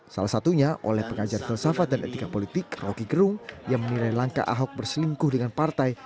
salah satunya oleh pengajar filsafat dan etika politik roky gerung yang menilai langkah ahok berselingkuh dengan partai